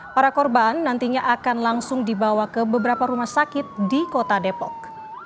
para korban nantinya akan langsung dibawa ke beberapa rumah sakit di kota depok